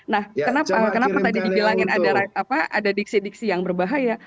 nah kenapa tadi dibilangin ada diksi diksi yang berbahaya